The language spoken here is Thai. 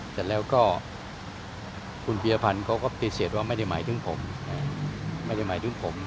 แต่แล้วก็คุณเบียพันธ์เขาก็ติดเสียดว่าไม่ได้หมายถึงผม